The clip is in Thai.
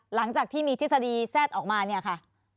หลังจากที่มีทฤษฎีแทรกออกมาเนี่ยค่ะ